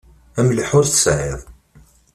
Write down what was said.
Amaleh ur t-sεiɣ.